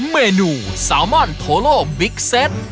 เมนูซาวมอนโทโลบิ๊กเซต